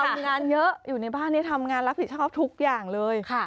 งานเยอะอยู่ในบ้านนี้ทำงานรับผิดชอบทุกอย่างเลย